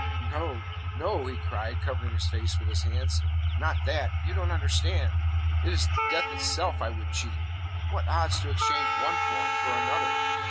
"No, no," he cried, covering his face with his hands. "Not that! You don't understand. It is death itself I would cheat. What odds to exchange one form for another?